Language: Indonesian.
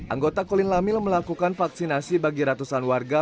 anggota colin lamin melakukan vaksinasi bagi ratusan warga